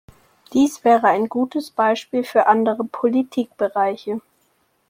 Dies wäre ein gutes Beispiel für andere Politikbereiche.